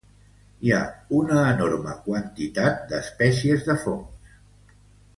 Hi ha una enorme quantitat d'espècies de fongs.